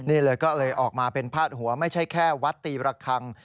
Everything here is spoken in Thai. นี่เลยก็เลยออกมาเป็นพาดหัวไม่ใช่แค่วัดตีระคัง